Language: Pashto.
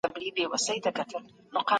که قدرت ولاړ سي نو دوستان ځي.